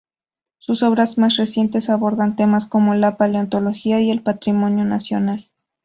Sus obras más recientes abordan temas como la paleontología y el patrimonio nacional.